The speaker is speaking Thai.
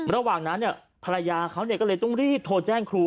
ระหว่างนั้นภรรยาเขาก็เลยต้องรีบโทรแจ้งครู